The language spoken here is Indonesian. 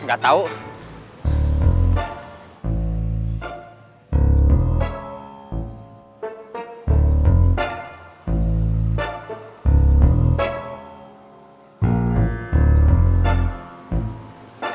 enggak tahu enggak tahu